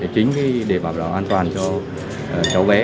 chính để bảo đảo an toàn cho cháu bé